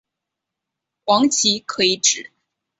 王祺可以指